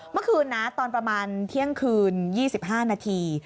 เมื่อคืนนะตอนประมาณเที่ยงคืน๒๕นาที